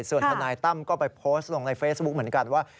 ส่วนทนายตั้มก็ไปโพสต์ลงในเฟซบุ๊คเหมือนกันว่า